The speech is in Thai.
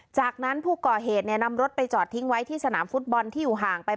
จากนั้นผู้ก่อเหตุนำรถไปจอดทิ้งไว้ที่สนามฟุตบอลที่อยู่ห่างไป